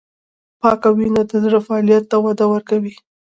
پاکه وینه د زړه فعالیت ته وده ورکوي.